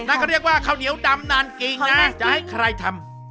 นักก็เรียกว่าข้าวเหนียวดำนานกิงนะจะให้ใครทำ